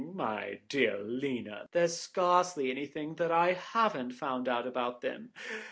My dear Lena, there's scarcely anything that I haven't found out about them.